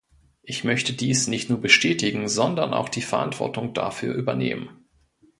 Ich möchte dies nicht nur bestätigen, sondern auch die Verantwortung dafür übernehmen.